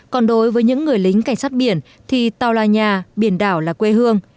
còn đối với những người lính cảnh sát biển thì tàu là nhà biển đảo là quê hương